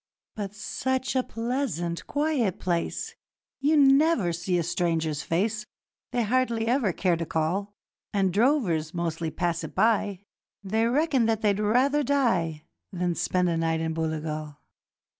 'But such a pleasant, quiet place, You never see a stranger's face They hardly ever care to call; The drovers mostly pass it by; They reckon that they'd rather die Than spend a night in Booligal.